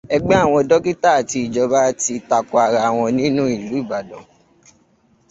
Ẹgbẹ́ àwọn dókítà àti ìjọba ti tako ara wọn nínú ìlú Ìbàdàn.